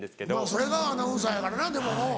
それがアナウンサーやからなでもうん。